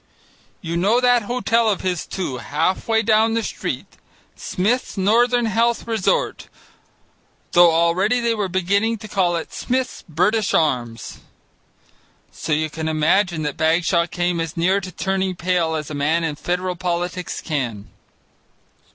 You know that hotel of his, too, half way down the street, Smith's Northern Health Resort, though already they were beginning to call it Smith's British Arms. So you can imagine that Bagshaw came as near to turning pale as a man in federal politics can.